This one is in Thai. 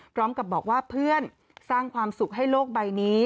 พร้อมกับบอกว่าเพื่อนสร้างความสุขให้โลกใบนี้